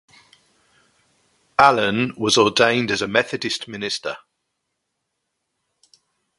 Allen was ordained as a Methodist minister.